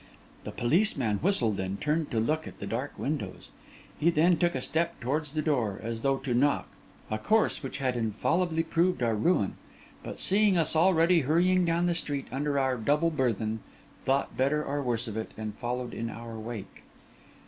The policeman whistled and turned to look at the dark windows; he then took a step towards the door, as though to knock, a course which had infallibly proved our ruin; but seeing us already hurrying down the street under our double burthen, thought better or worse of it, and followed in our wake.